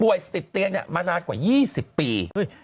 ติดเตียงมานานกว่า๒๐ปี